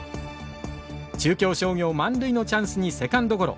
中京商業満塁のチャンスにセカンドゴロ。